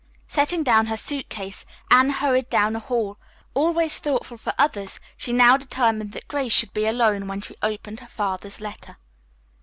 Setting down her suit case, Anne hurried down the hall. Always thoughtful for others, she now determined that Grace should be alone when she opened her father's letter.